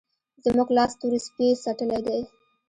زموږ لاس تور سپي څټلی دی.